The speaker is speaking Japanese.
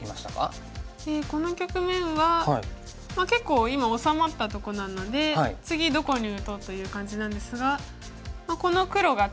この局面は結構今治まったとこなので次どこに打とうという感じなんですがこの黒がちょっと気になるっていうのと。